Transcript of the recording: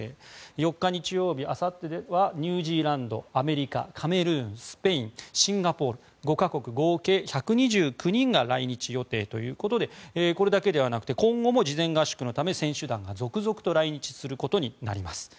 ４日、日曜日、あさってはニュージーランド、アメリカカメルーン、スペインシンガポール５か国、合計１２９人が来日予定ということでこれだけではなくて今後も事前合宿のため選手団が続々と来日することになります。